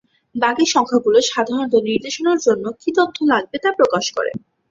বাকি সংখ্যাগুলো সাধারণত নির্দেশনার জন্য কি তথ্য লাগবে তা প্রকাশ করে।